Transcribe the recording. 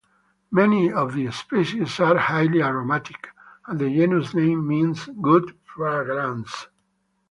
Many of the species are highly aromatic, and the genus name means "good fragrance".